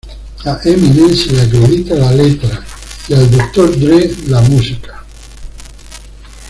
A Eminem se le acredita la letra y a Dr. Dre la música.